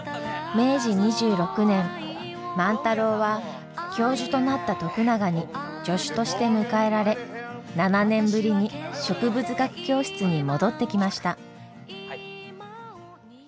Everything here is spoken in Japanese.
明治２６年万太郎は教授となった徳永に助手として迎えられ７年ぶりに植物学教室に戻ってきました。